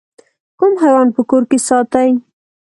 کوم حیوان په کور کې ساتئ؟